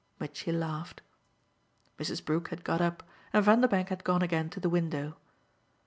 Mitchy laughed. Mrs. Brook had got up and Vanderbank had gone again to the window.